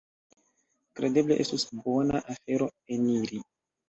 Kredeble estus bona afero eniri."